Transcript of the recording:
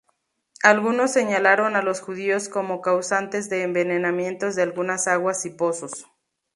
Algunos señalaron a los judíos como causantes de envenenamientos de algunas aguas y pozos.